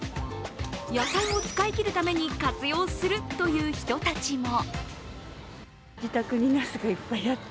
野菜を使い切るために活用するという人たちも。